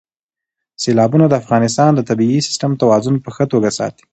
سیلابونه د افغانستان د طبعي سیسټم توازن په ښه توګه ساتي.